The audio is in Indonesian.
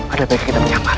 ada baik kita menjamar